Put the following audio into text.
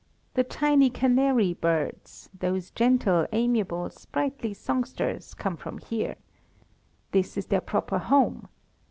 The tiny canary birds those gentle, amiable, sprightly songsters come from here. This is their proper home.